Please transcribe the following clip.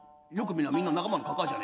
みんな仲間のかかあじゃねえか。